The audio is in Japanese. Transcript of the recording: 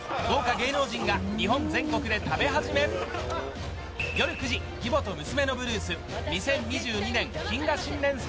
豪華芸能人が日本全国で食べ始め夜９時「義母と娘のブルース」２０２２年謹賀新年